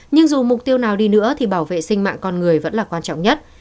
nhưng dù mục tiêu nào đi nữa thì bảo vệ sinh mạng con người vẫn là quan trọng nhất